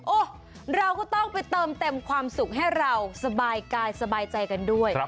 เราก็ต้องไปเติมเต็มความสุขให้เราสบายกายสบายใจกันด้วย